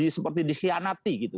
seperti dikhianati gitu